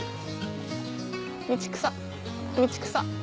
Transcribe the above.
道草道草。